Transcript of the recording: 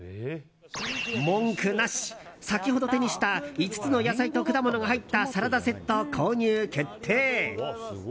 文句なし、先ほど手にした５つの野菜と果物が入ったサラダセット、購入決定。